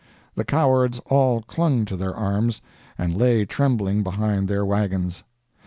The cowards all clung to their arms, and lay trembling behind their wagons.